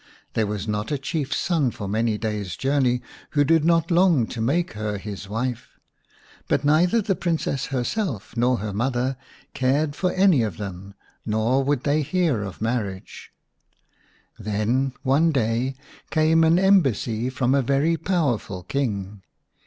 There was not a Chiefs son for many days' journey who did not long to make her his wife. But neither the Princess herself nor her mother cared for any of them, nor would they hear of marriage, Then one day came an embassy from a very 33 D The Shining Princess iv powerful King.